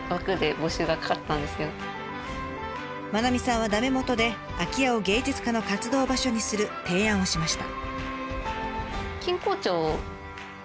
愛さんは駄目もとで空き家を芸術家の活動場所にする提案をしました。